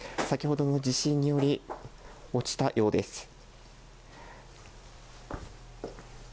先ほどの地震により、落ちたようです。